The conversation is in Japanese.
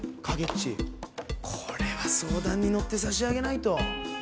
ちこれは相談に乗ってさしあげないと！